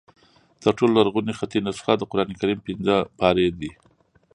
تر ټولو لرغونې خطي نسخه د قرآن کریم پنځه پارې دي.